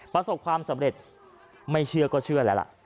ประสบความสำเร็จไม่เชื่อก็เชื่อแล้วล่ะ